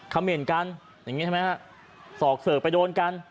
เขม่นกันอย่างนี้ใช่ไหมฮะสอกเสิร์ฟไปโดนกัน